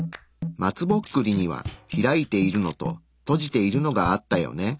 松ぼっくりには開いているのと閉じているのがあったよね。